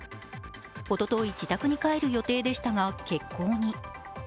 おととい、自宅に帰る予定でしたが欠航に。